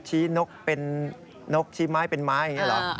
นกเป็นนกชี้ไม้เป็นไม้อย่างนี้หรอ